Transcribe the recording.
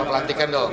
soal pelantikan dong